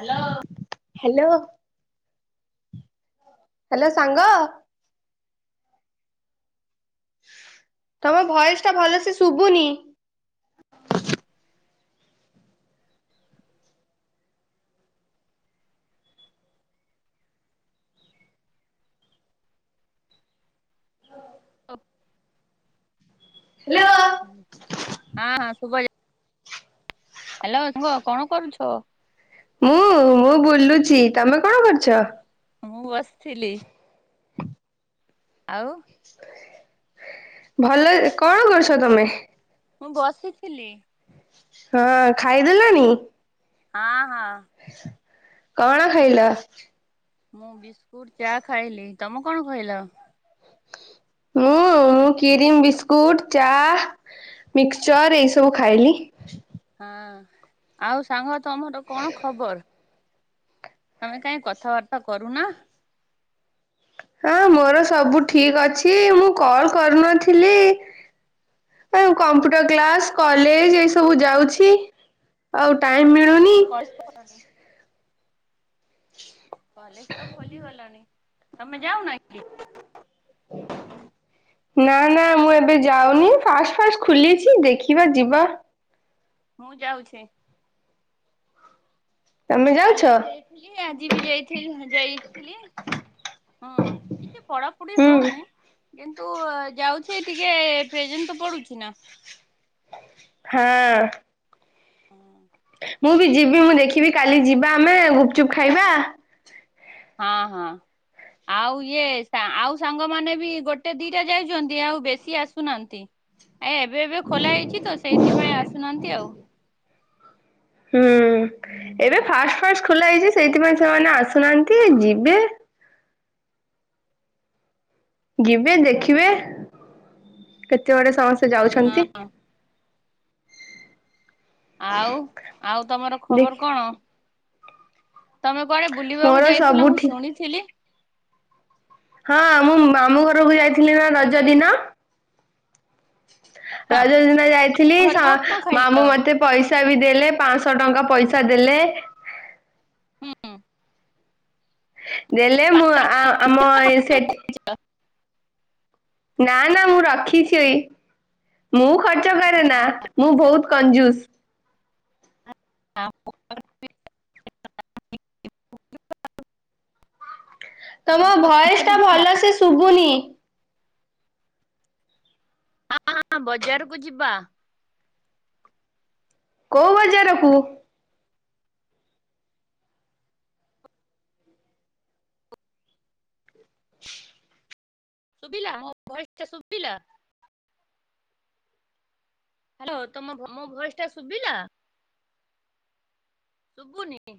Hello hello ସାଙ୍ଗ ତମ voice ଟା ଭଲସେ ଶୁଭୁନି। ହଁ ଁ ହ୍ୟାଲୋ ହ [unintelligible] ହ୍ୟାଲୋ କୁହ କଣ କରୁଛ? ମୁଁ ମୁଁ ବୁଲୁଛି ତମେ କଣ କରୁଛ? ମୁଁ ବସିଥିଲି। ଆଉ ଭଲ କଣ କରୁଛ ତମେ? ମୁଁ ବସିଥିଲି। ହଁ ଖାଇଦେଲଣି? ହଁ ହଁ କଣ ଖାଇଲ? ମୁଁ ବିସ୍କୁଟ ଚା ଖାଇଲି ତମେ କଣ ଖାଇଲ? ମୁଁ ମୁଁ କି୍ରୀମ୍ ବିସ୍କୁଟ ଚା ମିକ୍ସଚର୍ ଏଇସବୁ ଖାଇଲି। ହଁ ଆଉ ସାଙ୍ଗ ତମର କଣ ଖବର? ଆମେ କାହିଁ କଥାବାର୍ତ୍ତା କରୁନ? ହଁ ମୋର ସବୁ ଠିକ ଅଛି। ମୁଁ କଲ୍ କରୁନଥିଲି ଆ କମ୍ପ୍ୟୁଟର କ୍ଲାସ କଲେଜ ଏଇ ସବୁ ଯାଉଛି। ଆଉ ଟାଇମ ମିଳୁନି। ଅର୍ଷେ [inaudible] କଲେଜ ତ ଖୋଲିଗଲାଣି ତମେ ଯାଉ ନା କି? ହୁ ନା ନା ମୁଁ ଏବେ ଯାଉନି ଫାଷ୍ଟ ଫାଷ୍ଟ ଖୋଲିଛି ଦେଖିବା ଯିବା। ମୁଁ ଯାଉଛି। ତମେ କାଲି ଯାଉଛ? ବି ଯାଇଥିଲି ଆଜି ବି ଯାଇଥି ଯାଇଥିଲି ହଁ। କିଛି ପଢାପଢି ହୁଁ। ହଉନି କିନ୍ତୁ ଯାଉଛି ଟିକେ ପ୍ରେଜେଣ୍ଟ ତ ପଡୁଛି ନା। ହଁ। ହଁ ମୁଁ ବି ଯିବି ମୁଁ ଦେଖିବି କାଲି ଯିବା ଆମେ ଗୁପଚୁପ୍ ଖାଇବା। ହଁ ହଁ। ଆଉ ଇଏ ଆଉ ସାଙ୍ଗ ମାନେ ବି ଗୋଟେ ଦିଟା ଯାଉଛନ୍ତି ଆଉ ବେଶୀ ଆସୁନାହାନ୍ତି। ଏ ଏବେ ଏବେ ଖୋଲା ହେଇଛି ତ ସେଇଥିପାଇଁ ଆସୁନାହାନ୍ତି ଆଉ। ହୁଁ ଏବେ ଫାଷ୍ଟ ଫାଷ୍ଟ ଖୋଲା ହେଇଛି ସେଇଥିପାଇଁ ସେମାନେ ଆସୁନାହାନ୍ତି ଯିବେ ଯିବେ ଦେଖିବେ କେତେ ବେଳେ ସମସ୍ତେ ଯାଉଛନ୍ତି? ଆଉ ଆଉ ତମର ଦେଖ ଖବର କଣ? ତମେ କୁଆଡେ ବୁଲିବାକୁ ମୋର ଯାଇଥିଲ ମୁଁ ସବୁଠି ଶୁଣିଥିଲି। ହଁ ମୁଁ ମାମୁଁ ଘରକୁ ଯାଇଥିଲି ନା ରଜ ଦିନ। ହଁ ରଜ ଦିନ ଯାଇଥିଲି ଘରେ ସ କଣ କଣ ଖାଇଲ? ମାମୁଁ ମତେ ପଇସା ବି ଦେଲେ ପାଞ୍ଚଶହ ଟଙ୍କା ପଇସା ଦେଲେ। ହୁଁ ଦେଲେ ମୁଁ ଆ ଆମ ଏ ସେଠି ଆ [unintelligible] ନା ନା ମୁଁ ରଖିଛି ମୁଁ ଖର୍ଚ୍ଚ କରେ ନା ମୁଁ ବହୁତ କନଜୁସ। ଆ [unintelligible] ତମ ଭୟସ ଟା ଭଲ ସେ ଶୁଭୁନି। ହଁ ବଜାର କୁ ଯିବା। କୋଉ ବଜାରକୁୁ? ହ [unintelligible] ଶୁଭିଲା ମୋ ଭଏସଟା ଶୁଭିଲା। ହ୍ୟାଲୋ ତମ ମୋ ଭୟସ ଟା ଶୁଭିଲା ଶୁଭୁନିକି?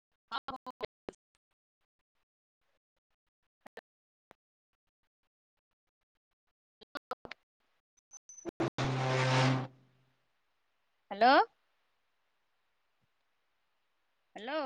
ହ [unintelligible] [unintelligible] ହ୍ୟାଲୋ। ହ୍ୟାଲୋ।